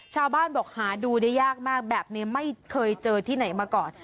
ชาวบ้านบอกหาดูได้ยากมากแบบนี้ไม่เคยเจอที่ไหนมาก่อน